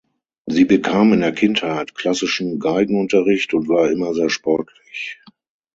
Sie bekam in der Kindheit klassischen Geigenunterricht und war immer sehr sportlich.